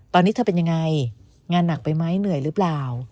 ตอนนี้เธอเป็นยังไงงานหนักไปไหมเหนื่อยหรือเปล่า